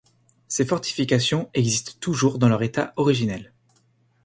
Ces fortifications existent toujours dans leur état originel.